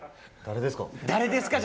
誰ですか？